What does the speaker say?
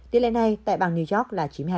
tiếp lên này tại bang new york